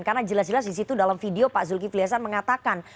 karena jelas jelas di situ dalam video pak zulkifli hasan mengatakan